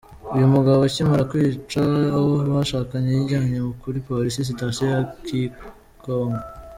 U yu mugabo akimara kwica uwo bashakanye yijyanye kuri polisi sitasiyo ya Gikonko”.